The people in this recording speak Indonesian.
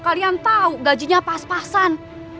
kalian tahu gajinya pas pasan